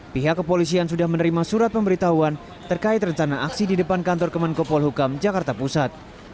pihak kepolisian sudah menerima surat pemberitahuan terkait rencana aksi di depan kantor kemenkopol hukam jakarta pusat